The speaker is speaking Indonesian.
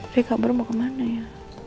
dia kabur mau kemana ya